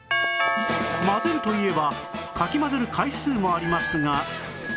混ぜるといえばかき混ぜる回数もありますが